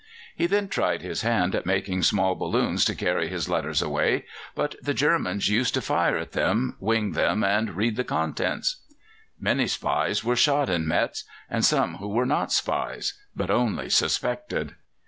He then tried his hand at making small balloons to carry his letters away; but the Germans used to fire at them, wing them, and read the contents. Many spies were shot in Metz, and some who were not spies, but only suspected.